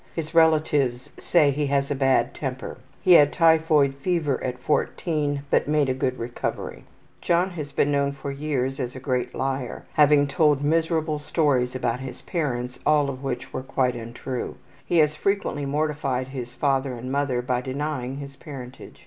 His relatives say he has a bad temper. He had typhoid fever at 14, but made a good recovery. John has been known for years as a great liar, having told miserable stories about his parents, all of which were quite untrue. He has frequently mortified his father and mother by denying his parentage.